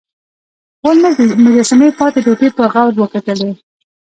هولمز د مجسمې ماتې ټوټې په غور وکتلې.